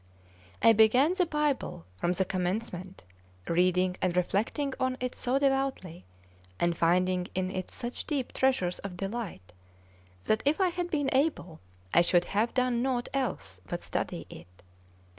CXVIII I BEGAN the Bible from the commencement, reading and reflecting on it so devoutly, and finding in it such deep treasures of delight, that, if I had been able, I should have done naught else but study it.